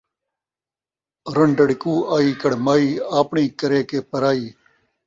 رن٘ڈڑ کوں آئی کڑمائی ، آپݨی کرے کہ پرائی